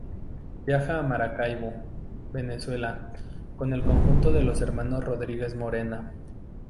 Viaja a Maracaibo, Venezuela, con el conjunto de Los Hermanos Rodríguez Morena.